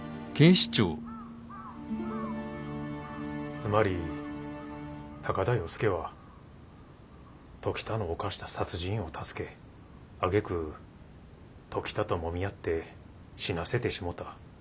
つまり高田与助は時田の犯した殺人を助けあげく時田ともみ合って死なせてしもた。